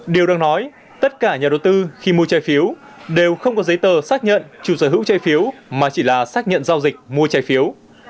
điều đang nói tất cả nhà đầu tư khi mua trái phiếu đều không có giấy tờ xác nhận chủ sở hữu trái phiếu mà chỉ là xác nhận giao dịch mua trái phiếu